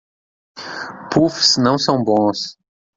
Puffs não são bons